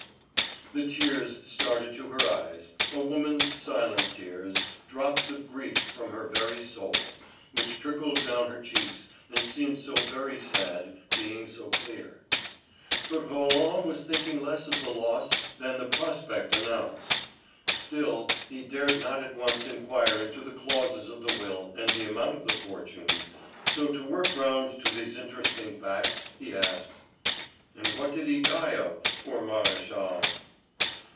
The tears started to her eyes, a woman's silent tears, drops of grief from her very soul, which trickle down her cheeks and seem so very sad, being so clear. But Roland was thinking less of the loss than of the prospect announced. Still, he dared not at once inquire into the clauses of the will and the amount of the fortune, so to work round to these interesting facts he asked: "And what did he die of, poor Maréchal?"